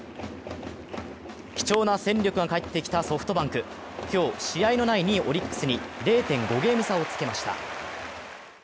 貴重な戦力が帰ってきたソフトバンク、今日、試合のないオリックスに０．５ゲーム差をつけました。